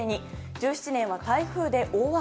１７年は台風で大雨。